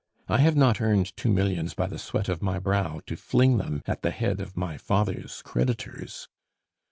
I have not earned two millions by the sweat of my brow to fling them at the head of my father's creditors."